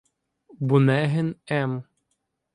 Бунегин М.